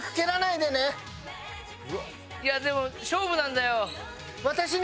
いやでも勝負なんだよ。